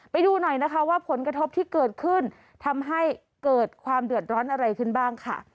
ไปดูหน่อยนะคะว่าผลกระทบที่เกิดขึ้นทำให้เกิดความเดือดร้อนอะไรขึ้นบ้างค่ะ